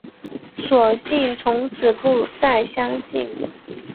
索性从此不再相信